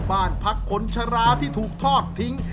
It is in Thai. บ้านพักคนชะลาที่ถูกทอดทิ้ง